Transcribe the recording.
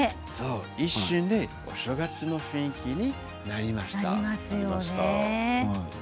一瞬でお正月の雰囲気になりました。